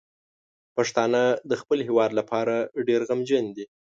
پښتانه د خپل هیواد لپاره ډیر غمجن دي.